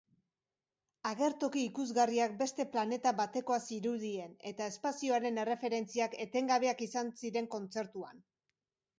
Agertoki ikusgarriak beste planeta batekoa zirudien eta espazioaren erreferentziak etengabeak izan ziren kontzertuan.